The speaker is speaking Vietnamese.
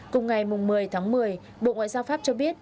cùng ngày một mươi tháng một mươi bộ ngoại giao pháp cho biết